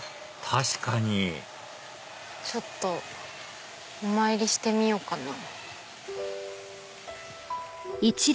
確かにちょっとお参りしてみようかな。